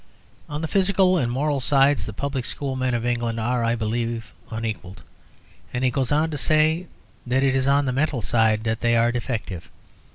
On the physical and moral sides the public school men of England are, I believe, unequalled." And he goes on to say that it is on the mental side that they are defective.